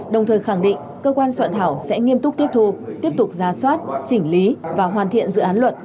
đồng thời khẳng định cơ quan soạn thảo sẽ nghiêm túc tiếp thu tiếp tục ra soát chỉnh lý và hoàn thiện dự án luật